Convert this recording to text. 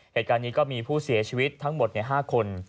เหตุการณ์นี้ก็มีผู้เสียชีวิตทั้งหมด๕คน